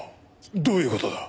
どういう事だ？